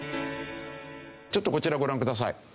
ちょっとこちらをご覧ください。